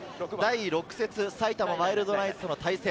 第６節、埼玉ワイルドナイツの対戦。